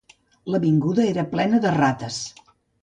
L'avinguda era plena de rates.